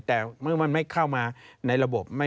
แต่มันไม่เข้ามาในระบบ